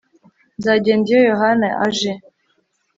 Nzagenda iyo Yohana aje